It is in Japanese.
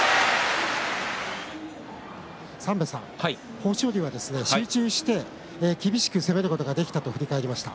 豊昇龍は集中して厳しく攻めることができたと振り返りました。